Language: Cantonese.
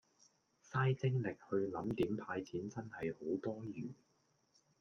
晒精力去唸點派錢真係好多餘